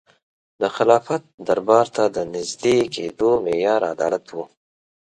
د خلافت دربار ته د نژدې کېدو معیار عدالت و.